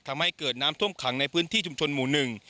ทำให้เกิดน้ำท่วมขังในพื้นที่ชุมชนหมู่หนึ่ง